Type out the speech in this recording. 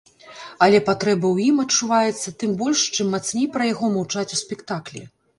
Але патрэба ў ім адчуваецца тым больш, чым мацней пра яго маўчаць у спектаклі.